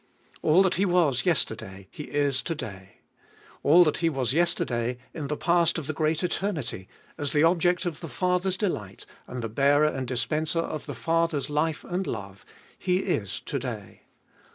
All that He was yesterday, He is to day. All that He was yesterday, in the past of the great eternity, as the object of the Father's delight, and the bearer and dispenser of the Father's Cbe ibolfest of Bit 527 life and love, He is to day.